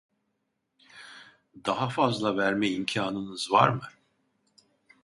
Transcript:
Daha fazla verme imkanınız var mı?